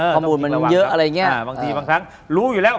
ข้อมูลมันเยอะอะไรอย่างเงี้ยบางทีบางครั้งรู้อยู่แล้ว